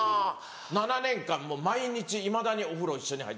７年間毎日いまだにお風呂一緒に入ってる。